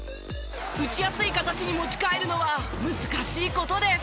打ちやすい形に持ち替えるのは難しい事です。